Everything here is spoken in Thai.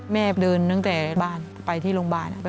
แม่เดินตั้งแต่บ้านไปที่โรงพยาบาล